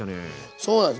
そうなんです。